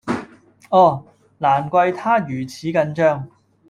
啊！難怪她如此緊張